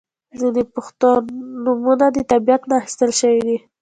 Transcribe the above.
• ځینې پښتو نومونه د طبیعت نه اخستل شوي دي.